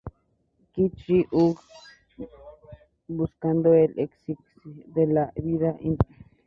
Qin Shi Huang, buscando el elixir de la vida, intentó encontrar la isla.